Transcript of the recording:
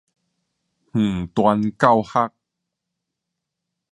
遠端教學